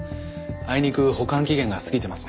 あいにく保管期限が過ぎてますね。